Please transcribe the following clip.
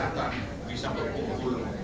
dan kita bisa berkumpul